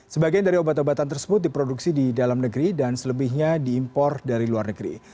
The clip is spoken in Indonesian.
sebagian dari obat obatan tersebut diproduksi di dalam negeri dan selebihnya diimpor dari luar negeri